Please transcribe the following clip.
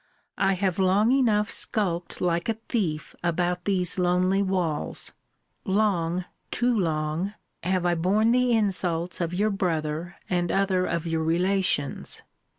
I have long enough skulked like a thief about these lonely walls long, too long, have I borne the insults of your brother, and other of your relations.